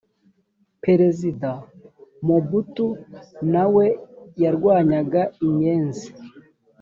perezida mobutu na we yarwanyaga inyenzi.